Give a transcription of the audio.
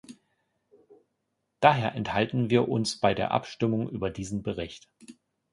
Daher enthalten wir uns bei der Abstimmung über diesen Bericht.